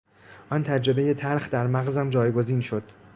آن تجربهی تلخ در مغزم جایگزین شد.